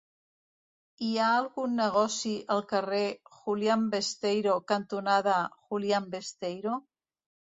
Hi ha algun negoci al carrer Julián Besteiro cantonada Julián Besteiro?